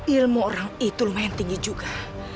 ilmu orang itu lumayan tinggi juga